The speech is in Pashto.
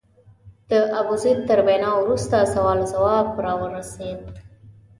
د ابوزید تر وینا وروسته سوال او ځواب وار راورسېد.